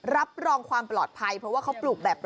รับรองความปลอดภัยเพราะว่าเขาปลูกแบบ